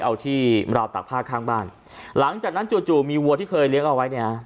เอาที่ราวตากผ้าข้างบ้านหลังจากนั้นจู่จู่มีวัวที่เคยเลี้ยงเอาไว้เนี่ยฮะ